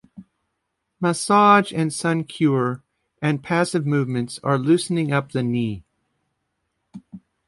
Massage and sun cure and passive movements are loosening up the knee.